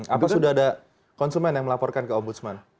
apa sudah ada konsumen yang melaporkan ke ombudsman